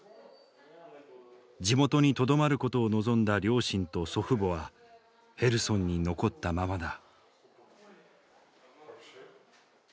地元にとどまることを望んだ両親と祖父母はヘルソンに残ったままだ。